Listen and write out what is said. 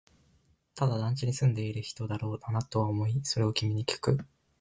ただ、団地に住んでいる人だろうなとは思い、それを君にきく